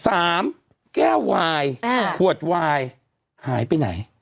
สามแก้ววายขวดวายหายไปไหน